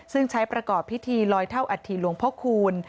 ซึ่งใช้ประกอบพิธีลอยเท่าอัฐิหลวงพ่อคูณ